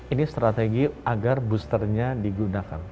ini strategi agar boosternya digunakan